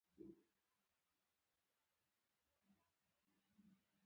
د رسنیو محتوا د خلکو افکار بدلوي.